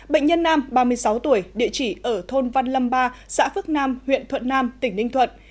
bệnh nhân nam ba mươi sáu tuổi địa chỉ ở thôn văn lâm ba xã phước nam huyện thuận nam tỉnh ninh thuận